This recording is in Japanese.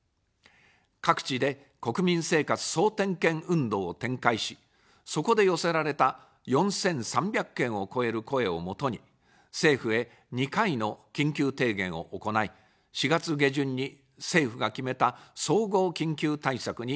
各地で国民生活総点検運動を展開し、そこで寄せられた４３００件を超える声をもとに、政府へ２回の緊急提言を行い、４月下旬に政府が決めた総合緊急対策に反映させました。